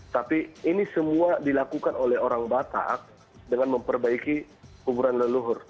tapi ini semua dilakukan oleh orang batak dengan memperbaiki kuburan leluhur